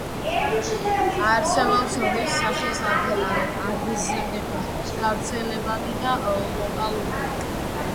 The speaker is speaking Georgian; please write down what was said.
არსებობს ორი სახის აგზნება: გავრცელებადი და ლოკალური.